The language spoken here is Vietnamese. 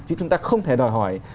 chứ chúng ta không thể đòi hỏi